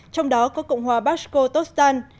trong đó có cộng hòa bashkortostan